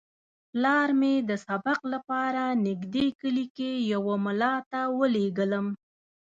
پلار مې د سبق لپاره نږدې کلي کې یوه ملا ته ولېږلم.